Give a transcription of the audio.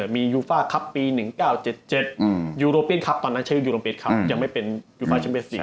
มียูฟาคับปี๑๙๗๗ยูโรเปียนคับตอนนี้ใช้อยู่ยูโรเบสคับยังไม่เป็นยูฟาเชียมเบสสี่